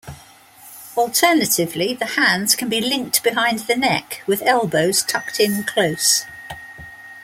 Alternatively, the hands can be linked behind the neck with elbows tucked in close.